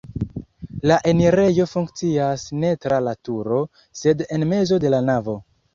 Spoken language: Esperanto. La enirejo funkcias ne tra la turo, sed en mezo de la navo.